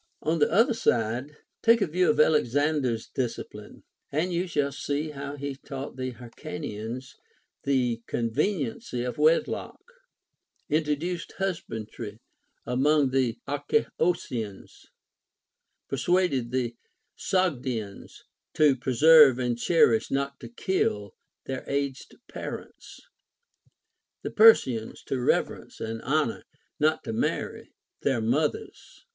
On the other side, take a view of Alexander's discipline, and you shall see how he taught the Ilyrcanians the con veniency of Avedlock, introduced husbandry among the Arachosians, persuaded the Sogdians to preserve and cher ish — not to kill — their aged parents ; the Persians to reverence and honor — not to marry — their mothers.